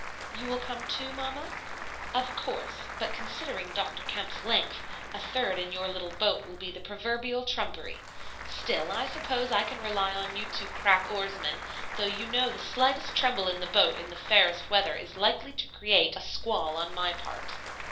"You will come too, Mamma?" "Of course; but considering Dr. Kemp's length, a third in your little boat will be the proverbial trumpery. Still, I suppose I can rely on you two crack oarsmen, though you know the slightest tremble in the boat in the fairest weather is likely to create a squall on my part."